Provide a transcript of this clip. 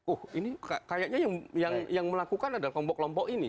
oh ini kayaknya yang melakukan adalah kompok kompok ini